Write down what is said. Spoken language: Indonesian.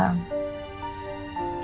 kan aku udah bilang